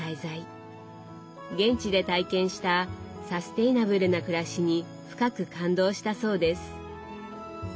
現地で体験した「サステイナブルな暮らし」に深く感動したそうです。